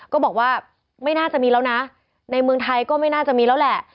ก็บอกว่าไม่น่าจะมีแล้วนะในเมืองไทยก็ไม่น่าจะมีแล้วแหละ